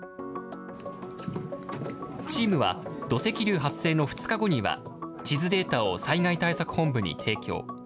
チームは、土石流発生の２日後には、地図データを災害対策本部に提供。